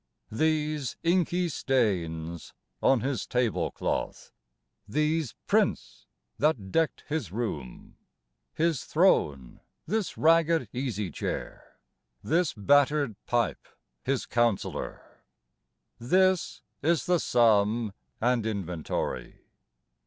These inky stains On his table cloth; These prints that decked his room; His throne, this ragged easy chair; This battered pipe, his councillor. This is the sum and inventory.